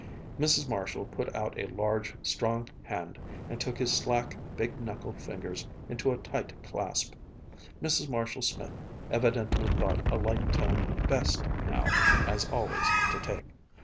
Mrs. Marshall put out a large, strong hand and took his slack, big knuckled fingers into a tight clasp. Mrs. Marshall Smith evidently thought a light tone best now, as always, to take.